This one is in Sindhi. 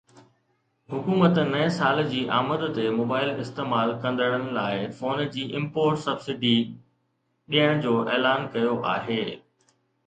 حڪومت نئين سال جي آمد تي موبائيل استعمال ڪندڙن لاءِ فون جي امپورٽ سبسڊي ڏيڻ جو اعلان ڪيو آهي